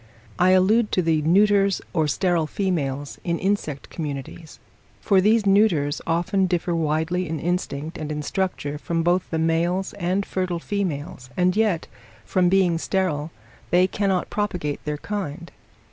I allude to the neuters or sterile females in insect communities: for these neuters often differ widely in instinct and in structure from both the males and fertile females, and yet, from being sterile, they cannot propagate their kind.